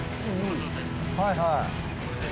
はいはい。